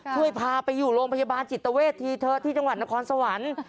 ช่วยพาไปอยู่โรงพยาบาลจิตเวททีเถอะที่จังหวัดนครสวรรค์